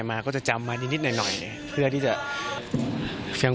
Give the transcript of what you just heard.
มาออกมาแสดง